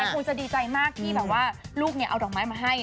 คงจะดีใจมากที่แบบว่าลูกเอาดอกไม้มาให้